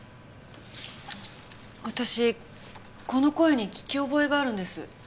私この声に聞き覚えがあるんです。